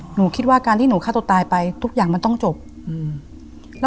หนูคิดว่าการที่หนูฆ่าตัวตายไปทุกอย่างมันต้องจบอืม